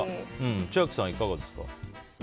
千秋さん、いかがですか。